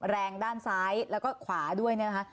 แรงด้านซ้ายแล้วก็ขวาด้วยนะครับ